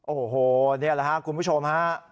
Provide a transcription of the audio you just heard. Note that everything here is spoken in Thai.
โอ้โหนี่แหละครับคุณผู้ชมฮะ